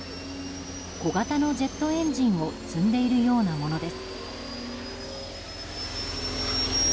小型のジェットエンジンを積んでいるようなものです。